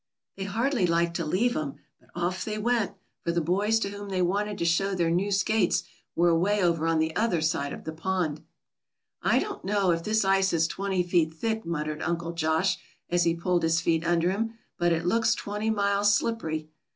They hardly liked to leave him, but off they went, for the boys to whom they wanted to show their new skates were away over on the other side of the pond. "I don't know if this ice is twenty feet thick," muttered Uncle Josh, as he pulled his feet under him, "but it looks twenty miles slippery.